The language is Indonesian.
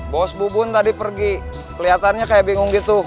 bos bubun tadi pergi kelihatannya kayak bingung gitu